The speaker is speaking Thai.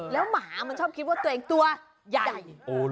แล้วหมามันชอบคิดว่าตัวเองตัวใหญ่